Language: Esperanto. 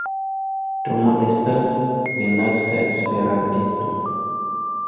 Tomo estas denaska Esperantisto.